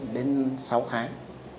đến sáu tháng